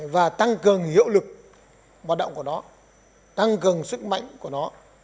và tăng cường hiệu lực hoạt động của nó tăng cường sức mạnh của nó